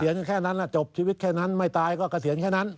วีทีวีแค่นั้นไม่ตายก็กระเถียงแค่นั้น